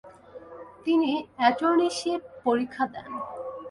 তিনি অ্যাটর্নীশিপ পরীক্ষা দেন।